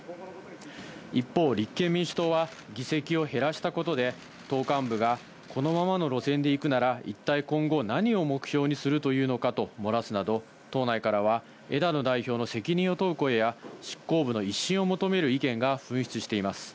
一方、立憲民主党は、議席を減らしたことで、党幹部がこのままの路線で行くなら一体今後、何を目標にするというのかと漏らすなど、党内からは枝野代表の責任を問う声や、執行部の一新を求める意見が噴出しています。